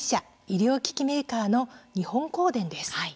医療機器メーカーの日本光電です。